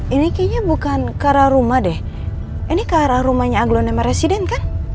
ini kayaknya bukan ke arah rumah deh ini ke arah rumahnya aglonema resident kan